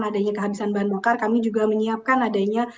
adanya kehabisan bahan bakar kami juga menyiapkan adanya